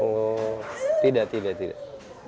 oh tidak tidak tidak